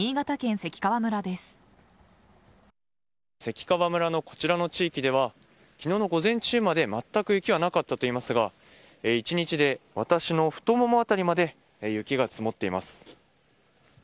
関川村のこちらの地域では昨日の午前中までまったく雪はなかったといいますが１日で、私の太もも辺りまで雪が積もっています。